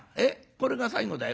これが最後だよ。